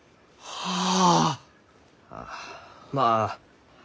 はあ。